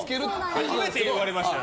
初めて言われましたよ。